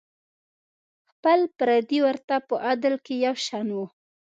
خپل پردي ورته په عدل کې یو شان وو.